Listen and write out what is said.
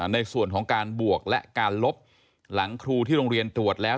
ในส่วนของการบวกและการลบหลังครูที่โรงเรียนตรวจแล้ว